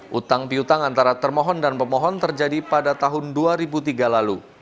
hutang piutang antara termohon dan pemohon terjadi pada tahun dua ribu tiga lalu